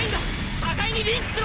互いにリンクしろ。